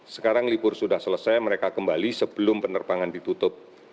sekarang libur sudah selesai mereka kembali sebelum penerbangan ditutup